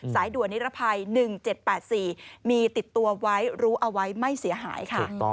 สายด่วนนิรภัย๑๗๘๔มีติดตัวไว้รู้เอาไว้ไม่เสียหายค่ะ